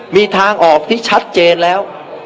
มีทางออกที่ชัดเจนแล้ว